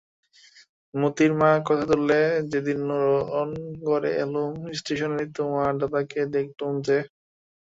মোতির মা কথা তুললে, যেদিন নুরনগরে এলুম, ইস্টিশনে তোমার দাদাকে দেখলুম যে।